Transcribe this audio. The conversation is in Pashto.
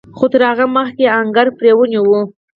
خو تر هغه مخکې آهنګر پړی ونيو.